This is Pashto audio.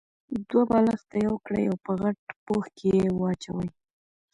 دوه بالښته يو کړئ او په غټ پوښ کې يې واچوئ.